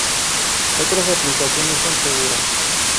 Otras aplicaciones son seguras.